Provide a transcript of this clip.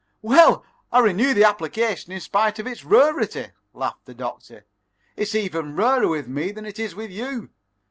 "Well, I renew the application in spite of its rarity," laughed the Doctor. "It's even rarer with me than it is with you.